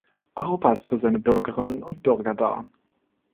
Europa ist für seine Bürgerinnen und Bürger da.